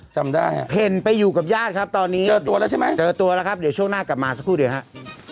เจอตัวแล้วใช่ไหมครับเจอตัวแล้วครับเดี๋ยวช่วงหน้ากลับมาสักครู่ดีครับ